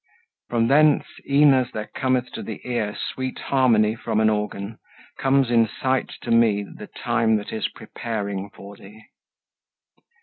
From thence, e'en as there cometh to the ear Sweet harmony from an organ, comes in sight To me the time that is preparing for thee.